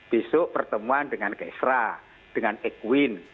besok pertemuan dengan ksra dengan equin